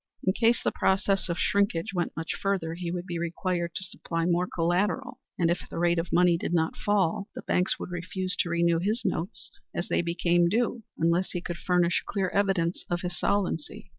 In case the process of shrinkage went much further, he would be required to supply more collateral; and, if the rate of money did not fall, the banks would refuse to renew his notes as they became due, unless he could furnish clear evidence of his solvency.